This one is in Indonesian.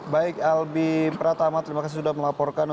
baik albi pratama terima kasih sudah melaporkan